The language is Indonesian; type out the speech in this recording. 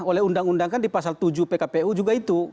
oleh undang undang kan di pasal tujuh pkpu juga itu